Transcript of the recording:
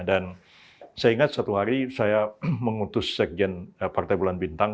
dan saya ingat satu hari saya mengutus sekjen partai bulan bintang